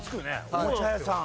おもちゃ屋さん。